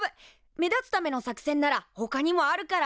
目立つための作戦ならほかにもあるから。